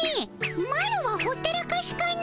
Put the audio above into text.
マロはほったらかしかの。